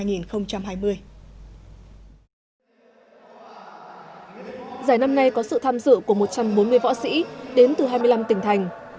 giải năm nay có sự tham dự của một trăm bốn mươi võ sĩ đến từ hai mươi năm tỉnh thành